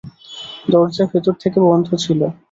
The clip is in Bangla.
দরজা ভেতর থেকে বন্ধ ছিল।